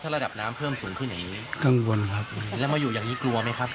ระดับน้ำเพิ่มสูงขึ้นอย่างงี้กังวลครับแล้วมาอยู่อย่างนี้กลัวไหมครับ